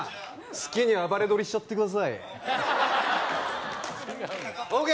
好きに暴れ撮りしちゃってくださいＯＫ